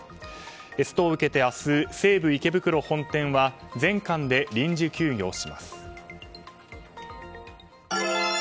ストを受けて明日、西武池袋本店は全館で臨時休業します。